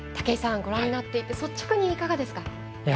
武井さん、ご覧になっていて率直にいかがですか。